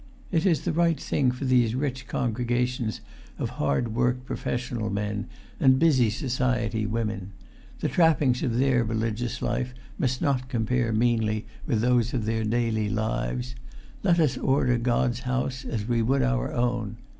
It is the right thing for these rich congregations of hard worked professional men and busy society women; the trappings of their religious life must not compare meanly with those of their daily lives; let us order God's house as we would our own.